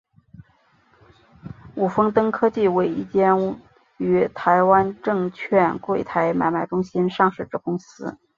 伍丰科技为一间于台湾证券柜台买卖中心上市之公司。